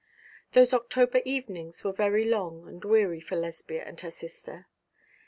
Those October evenings were very long and weary for Lesbia and her sister.